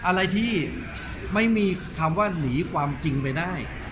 อะไรที่ไม่มีคำว่าหนีความจริงไปได้